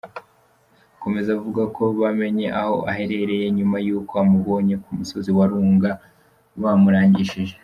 Akomeza avuga ko bamenye aho aherereye nyuma yuko abamubonye ku musozi wa Runga bamurangishije.